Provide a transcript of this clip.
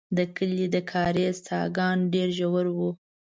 د کلي د کاریز څاګان ډېر ژور وو.